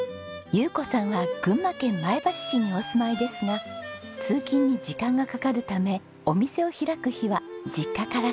優子さんは群馬県前橋市にお住まいですが通勤に時間がかかるためお店を開く日は実家から通っているんです。